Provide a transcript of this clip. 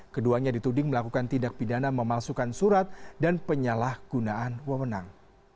keduanya dituding melakukan tindak pidana memalsukan surat dan penyalahgunaan wewenang